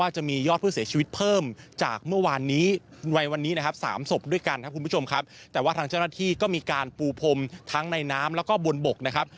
เจ้าหน้าที่ก็มีการปูพมทั้งในน้ำแล้วก็บนบกนะครับ